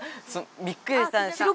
びっくりしたんです！